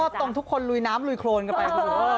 พี่เช่นชอบตรงทุกคนลุยน้ำลุยโครนกันไปคุณผู้ชม